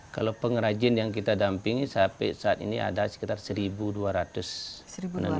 kalau pengrajin yang kita dampingi sampai saat ini ada sekitar satu dua ratus penenun